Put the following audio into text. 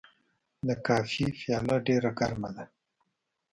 د کافي پیاله ډېر ګرمه وه.